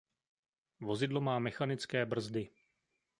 Vozidlo má mechanické brzdy.